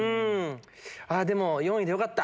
でも４位でよかった。